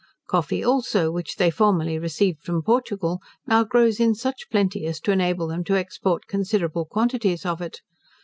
Coffee also, which they formerly received from Portugal, now grows in such plenty as to enable them to export considerable quantities of it.